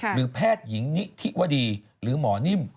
หรือแพทย์หญิงนิธิวดีหรือหมอนิ่ม